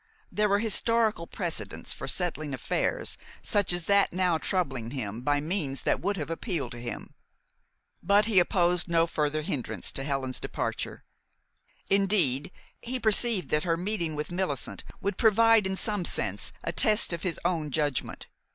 There were historical precedents for settling affairs such as that now troubling him by means that would have appealed to him. But he opposed no further hindrance to Helen's departure. Indeed, he perceived that her meeting with Millicent would provide in some sense a test of his own judgment.